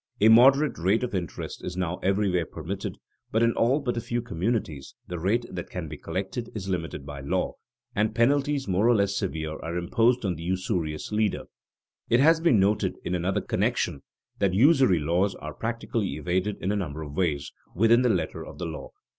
A moderate rate of interest is now everywhere permitted; but in all but a few communities the rate that can be collected is limited by law, and penalties more or less severe are imposed on the usurious lender. It has been noted in another connection that usury laws are practically evaded in a number of ways within the letter of the law.